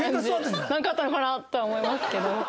なんかあったのかな？とは思いますけど。